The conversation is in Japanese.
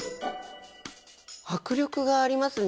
迫力がありますね。